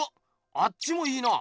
あっちもいいな！